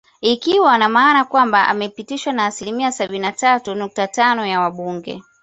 Ikiwa na maana kwamba amepitishwa na asilimia sabini na tatu nukta tano ya wabunge